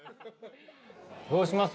どうします？